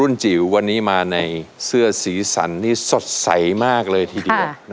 จิ๋ววันนี้มาในเสื้อสีสันนี่สดใสมากเลยทีเดียว